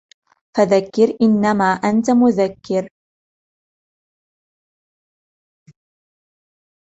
فَذَكِّرْ إِنَّمَا أَنْتَ مُذَكِّرٌ